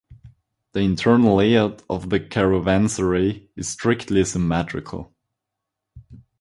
The internal layout of the caravanserai is strictly symmetrical.